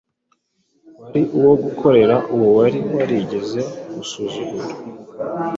wari uwo gukorera uwo yari yarigeze gusuzugura